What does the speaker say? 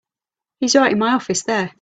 He's right in my office there.